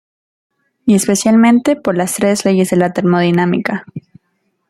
Y especialmente por las tres leyes de la termodinámica.